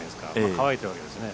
乾いているわけですよね。